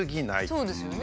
そうですよね。